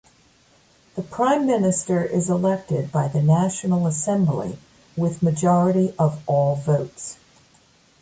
The Prime Minister is elected by the National Assembly with majority of all votes.